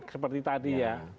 seperti tadi ya